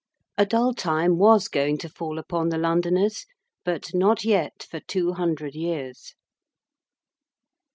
A dull time was going to fall upon the Londoners, but not yet for two hundred years.